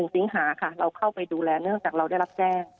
สิงหาค่ะเราเข้าไปดูแลเนื่องจากเราได้รับแจ้ง